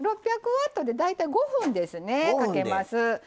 ワットで大体５分ですねかけます。